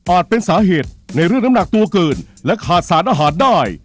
เป็นสาเหตุในเรื่องน้ำหนักตัวเกินและขาดสารอาหารได้